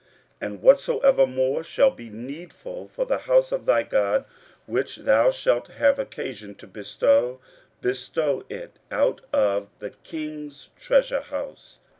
15:007:020 And whatsoever more shall be needful for the house of thy God, which thou shalt have occasion to bestow, bestow it out of the king's treasure house.